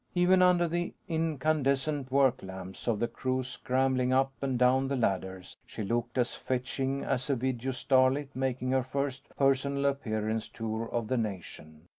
Even under the incandescent work lamps of the crew scrambling up and down the ladders, she looked as fetching as a video starlet making her first personal appearance tour of the nation.